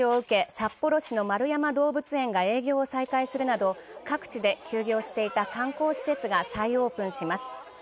札幌市の円山動物園が営業を再開するなど、各地で休業していた観光施設が再オープンします。